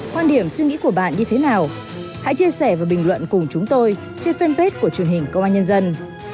hãy chia sẻ và bình luận cùng chúng tôi trên fanpage của chương hình công an nhân dân